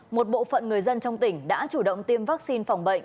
một bộ phận người dân trong tỉnh đã chủ động tiêm vaccine phòng bệnh